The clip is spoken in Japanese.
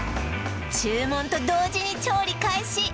注文と同時に調理開始